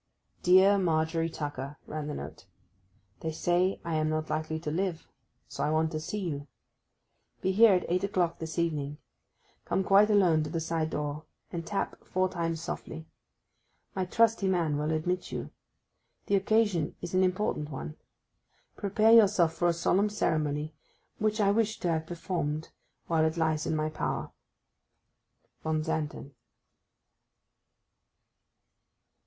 DEAR MARGERY TUCKER (ran the note)—They say I am not likely to live, so I want to see you. Be here at eight o'clock this evening. Come quite alone to the side door, and tap four times softly. My trusty man will admit you. The occasion is an important one. Prepare yourself for a solemn ceremony, which I wish to have performed while it lies in my power. VON XANTEN.